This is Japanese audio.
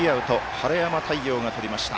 晴山太陽がとりました。